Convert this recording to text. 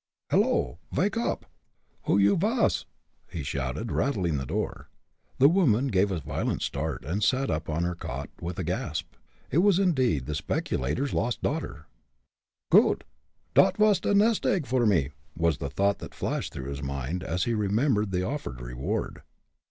"Hello! vake oop who you vas?" he shouted, rattling the door. The woman gave a violent start, and sat up on her cot, with a gasp: it was indeed the speculator's lost daughter! "Goot! dot vas a nest egg for me!" was the thought that flashed through his mind, as he remembered the offered reward.